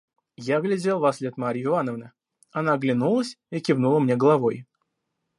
Я глядел вослед Марьи Ивановны; она оглянулась и кивнула мне головой.